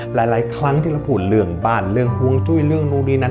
หลายครั้งที่เราพูดเรื่องบ้านเรื่องห่วงจุ้ยเรื่องนู่นนี่นั่น